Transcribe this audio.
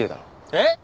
えっ！？